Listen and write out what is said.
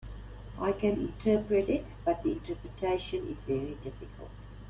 I can interpret it, but the interpretation is very difficult.